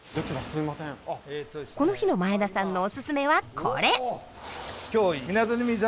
この日の前田さんのオススメはこれ！